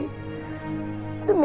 demi rakyat galuh